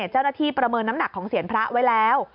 เจ้าหน้าที่ประเมินน้ำหนักของเศียรพระไว้แล้ว